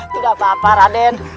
tidak apa apa raden